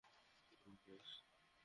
কী, minus?